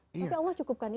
tapi allah cukupkan itu